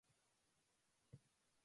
パジャマ